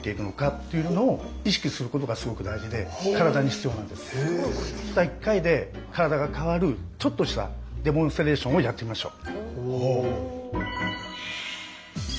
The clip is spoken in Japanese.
重要なのはたった１回で体が変わるちょっとしたデモンストレーションをやってみましょう。